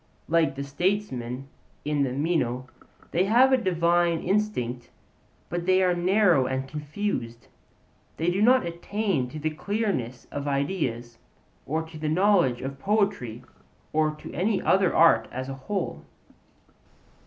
Like the Statesmen in the Meno, they have a divine instinct, but they are narrow and confused; they do not attain to the clearness of ideas, or to the knowledge of poetry or of any other art as a whole.